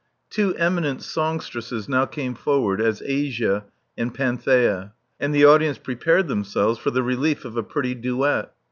*' Two eminent songstresses now came forward as Asia and Panthea; and the audience prepared themselves for the relief of a pretty duet.